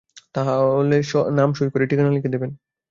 তাহলে নাম সই করে ঠিকানা লিখে দেবেন।